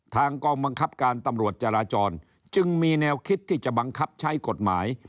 ทางกองบังคับการตำรวจจราจรจึงมีแนวคิดที่จะบังคับใช้กฎหมาย